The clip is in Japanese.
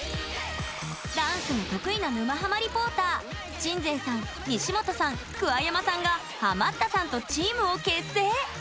ダンスが得意な沼ハマリポーター鎮西さん、西本さん、桑山さんがハマったさんとチームを結成。